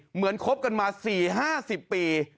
เหมือนครบกันมา๔๕๐ปี